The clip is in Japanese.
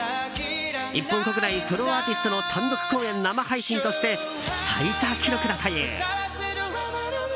日本国内ソロアーティストの単独公演生配信として最多記録だという。